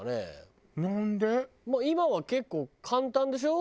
今は結構簡単でしょ？